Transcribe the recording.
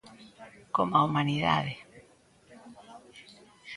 Como a "humanidade".